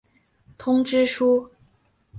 通知书。